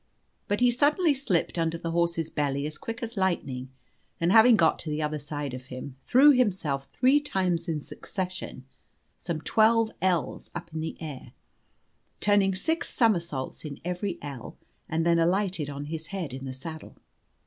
But he suddenly slipped under the horse's belly as quick as lightning, and having got to the other side of him, threw himself three times in succession some twelve ells up in the air, turning six somersaults in every ell, and then alighted on his head in the saddle.